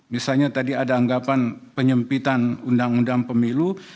misalnya tadi ada anggapan penyempitan undang undang pemilu